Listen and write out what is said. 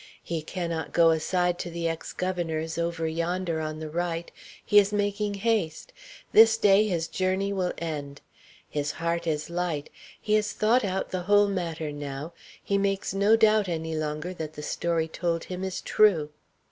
He cannot go aside to the ex governor's, over yonder on the right. He is making haste. This day his journey will end. His heart is light; he has thought out the whole matter now; he makes no doubt any longer that the story told him is true.